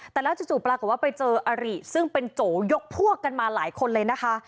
แต่แล้วจู่ปรากฏว่าไปเจออริซึ่งเป็นโจยกพวกกันมาหลายคนเลยนะคะ